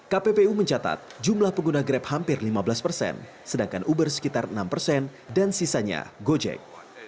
kppu mencatat jumlah pengguna grab hampir lima belas persen sedangkan uber sekitar enam persen dan sisanya gojek